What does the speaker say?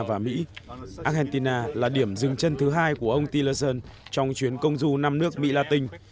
argentina là điểm dừng chân thứ hai của ông tillerson trong chuyến công du năm nước mỹ latin